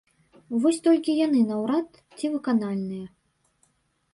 Вось толькі яны наўрад ці выканальныя.